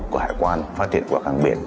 của hải quan phát hiện của cảng biển